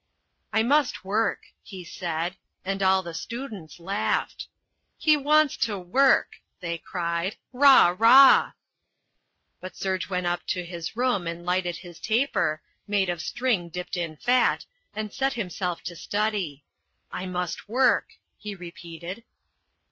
"I must work," he said, and all the students laughed. "He wants to work!" they cried. "Rah, Rah." But Serge went up to his room and lighted his taper, made of string dipped in fat, and set himself to study. "I must work," he repeated.